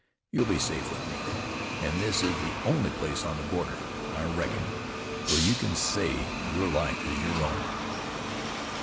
You'll be safe with me, an' this is the only place on the border, I reckon, where you can say your life is your own."